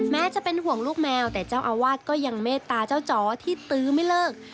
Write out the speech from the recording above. แม้จะเป็นห่วงลูกแมวแต่เจ้าอาวาสก็ยังเมตตาเจ้าจ๋อที่ตื้อไม่เลิก